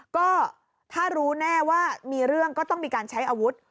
ก็ถ้ารู้แน่ว่ามีเรื่องก็ต้องมีการใช้อาวุธ